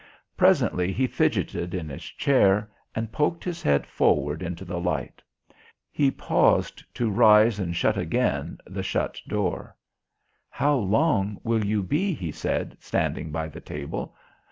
Presently he fidgeted in his chair and poked his head forward into the light. He paused to rise and shut again the shut door. "How long will you be?" he said, standing by the table.